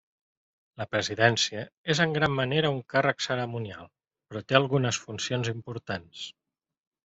La presidència és en gran manera un càrrec cerimonial, però té algunes funcions importants.